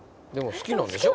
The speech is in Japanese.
好きなんでしょ？